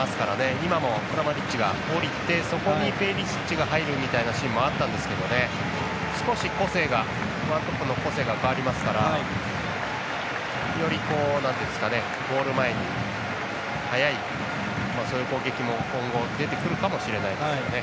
今、クラマリッチが下りてそこにペリシッチが入るシーンもあったんですけど少しワントップの個性が変わりますからよりゴール前に速いそういう攻撃も今後出てくるかもしれないですね。